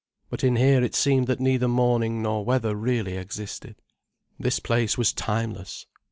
But in here it seemed that neither morning nor weather really existed. This place was timeless.